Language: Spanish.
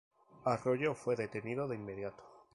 Arroyo fue detenido de inmediato.